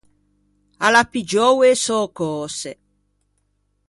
A l’à piggiou e sò cöse.